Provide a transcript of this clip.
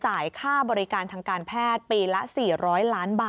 ค่าบริการทางการแพทย์ปีละ๔๐๐ล้านบาท